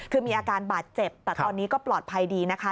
คือมีอาการบาดเจ็บแต่ตอนนี้ก็ปลอดภัยดีนะคะ